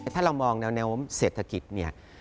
ถ้าเรามองแนวเศรษฐกิจเนี่ย